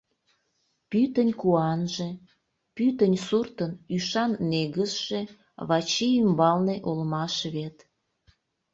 Пӱтынь куанже, пӱтынь суртын ӱшан негызше Вачи ӱмбалне улмаш вет!